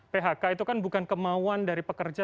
phk itu kan bukan kemauan dari pekerja